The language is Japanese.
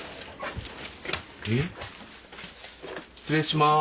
失礼します。